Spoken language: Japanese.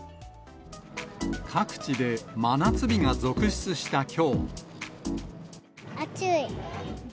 各地で真夏日が続出したきょ暑い。